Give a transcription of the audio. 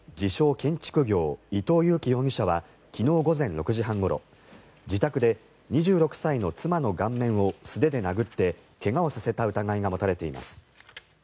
・建築業伊藤裕樹容疑者は昨日午前６時半ごろ自宅で２６歳の妻の顔面を素手で殴って怪我をさせた疑いが持たれています。